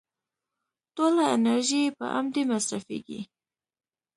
ټوله انرژي يې په امدې مصرفېږي.